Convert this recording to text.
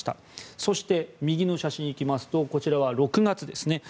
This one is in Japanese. そして、右の写真に行きますとこちらは６月ですね。